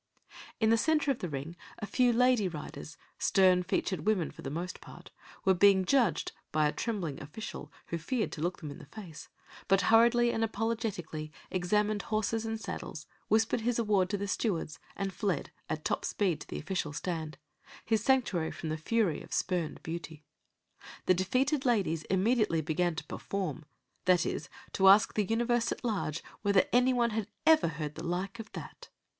In the centre of the ring a few lady riders, stern featured women for the most part, were being "judged" by a trembling official, who feared to look them in the face, but hurriedly and apologetically examined horses and saddles, whispered his award to the stewards, and fled at top speed to the official stand his sanctuary from the fury of spurned beauty. The defeated ladies immediately began to "perform" that is, to ask the universe at large whether anyone ever heard the like of that!